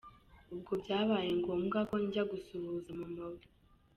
Ubwo byabaye ngombwa ko njya gusuhuza maman we.